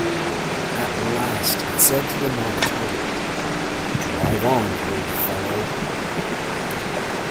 At last it said to the Mock Turtle, ‘Drive on, old fellow!’